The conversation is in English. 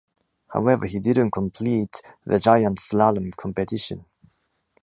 However, he didn’t complete the giant slalom competition.